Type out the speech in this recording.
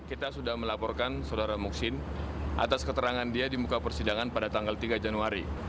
kita sudah melaporkan saudara muksin atas keterangan dia di muka persidangan pada tanggal tiga januari